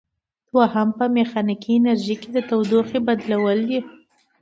دوهم په میخانیکي انرژي د تودوخې بدلول دي.